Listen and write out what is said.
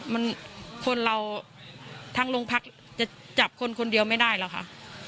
มันคนเราทั้งโรงพักจะจับคนคนเดียวไม่ได้หรอกค่ะ